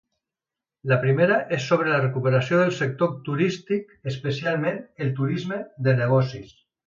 La primera és sobre la recuperació del sector turístic, especialment el turisme de negocis.